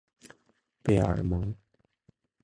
贝尔蒙。